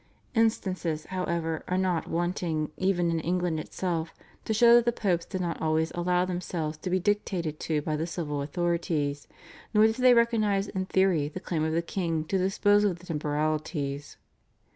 Instances, however, are not wanting even in England itself to show that the Popes did not always allow themselves to be dictated to by the civil authorities, nor did they recognise in theory the claim of the king to dispose of the temporalities.